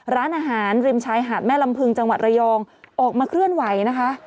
ร้านอาหารริมชายหาดแม่ลำพึงจังหวัดระยองออกมาเคลื่อนไหวนะคะ